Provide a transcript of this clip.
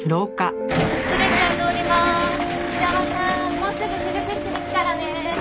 もうすぐ手術室ですからね。